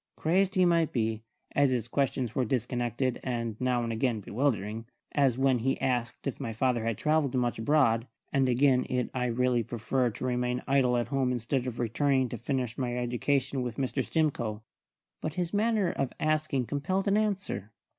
Crazed he might be, as his questions were disconnected and now and again bewildering, as when he asked if my father had travelled much abroad, and again it I really preferred to remain idle at home instead of returning to finish my education with Mr. Stimcoe; but his manner of asking compelled an answer.